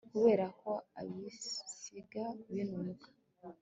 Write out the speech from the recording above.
kuberako aribisiga binuka